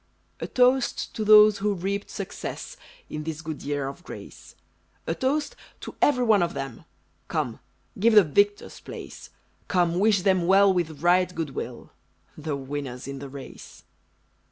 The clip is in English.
A toast to those who reaped success In this good year of grace; A toast to every one of them Come! Give the victors place! Come, wish them well with right good will The winners in the race!